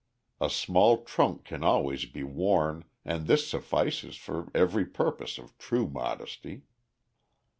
A small trunk can always be worn and this suffices for every purpose of true modesty.